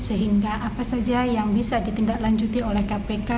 sehingga apa saja yang bisa ditindaklanjuti oleh kpk